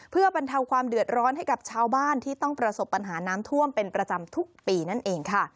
เพื่อบรรเทาความเดือดร้อนให้กับชาวบ้านที่ต้องประสบปัญหาน้ำท่วมเป็นประจำทุกปีนั่นเองค่ะ